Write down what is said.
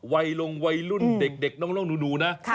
วัยลงวัยรุ่นเด็กน้องหนูนะ